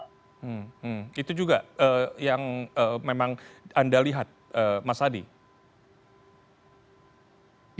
itu juga yang memang anda lihat mas hadi